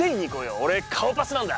おれ顔パスなんだ。